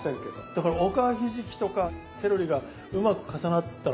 だからおかひじきとかセロリがうまく重なったのかな。